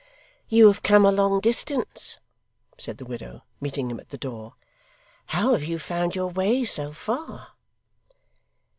'You have come a long distance,' said the widow, meeting him at the door. 'How have you found your way so far?